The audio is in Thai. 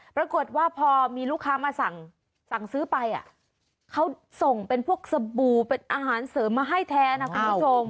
ปรากฏว่าพอมีลูกค้ามาสั่งซื้อไปเขาส่งเป็นพวกสบู่เป็นอาหารเสริมมาให้แทนนะคุณผู้ชม